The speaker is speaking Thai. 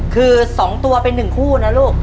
คือ๒ตัวเป็น๑คู่นะลูก